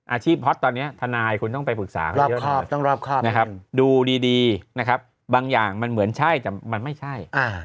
อาชีพพศตอนเนี้ย